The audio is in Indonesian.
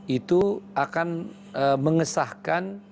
itu akan mengesahkan